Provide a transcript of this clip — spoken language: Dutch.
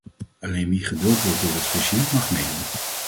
Alleen wie geduld wordt door het regime mag meedoen.